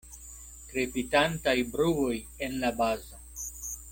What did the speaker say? Krepitantaj bruoj en la bazo.